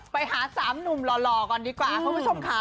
ไปหา๓หนุ่มหล่อก่อนดีกว่า